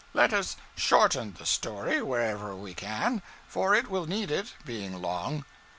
Let us shorten the story wherever we can, for it will need it, being long.